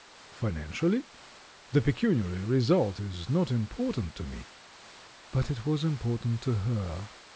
"Financially? The pecuniary result is not im portant to me." But it was important to her.